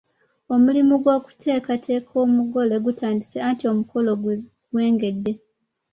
Omulimu gw’okuteekateeka omugole gutandise anti omukolo gwengedde.